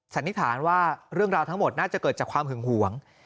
สันนิษฐานว่าเรื่องราวทั้งหมดน่าจะเกิดจากความหึงหวง